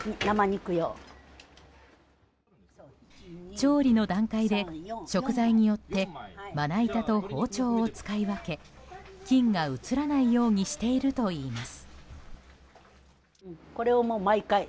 調理の段階で、食材によってまな板と包丁を使い分け菌がうつらないようにしているといいます。